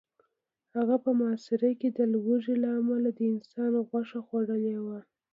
هغه په محاصره کې د لوږې له امله د انسان غوښه خوړلې وه